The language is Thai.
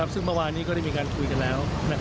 ซึ่งเมื่อวานนี้ก็ได้มีการคุยกันแล้ว